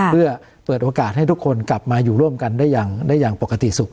เพื่อเปิดโอกาสให้ทุกคนกลับมาอยู่ร่วมกันได้อย่างปกติสุข